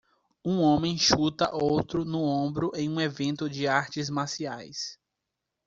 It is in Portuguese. Um homem chuta outro no ombro em um evento de artes marciais